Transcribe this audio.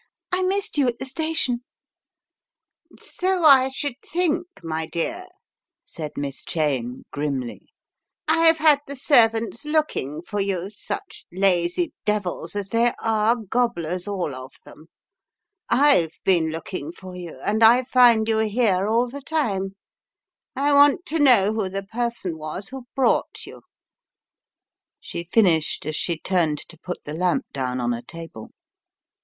I missed you at the station " "So I should think, my dear," said Miss Cheyne, grimly. " I've had the servants looking for you, such lazy devils as they are, gobblers all of them. IVe been looking for you, and I find you here all the time. I want to know who the person was who brought you." She finished as she turned to put the lamp down on a table.